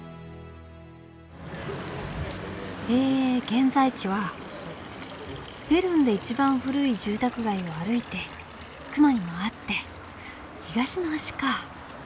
現在地はベルンで一番古い住宅街を歩いてクマにも会って東の端か。